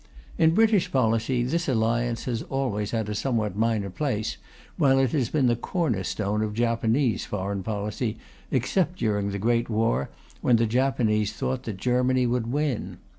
In British policy, this Alliance has always had a somewhat minor place, while it has been the corner stone of Japanese foreign policy, except during the Great War, when the Japanese thought that Germany would win.